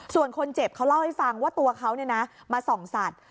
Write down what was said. ส่วนคนเจ็บเขาเล่าให้ฟังว่าตัวเขามาส่องสัตว์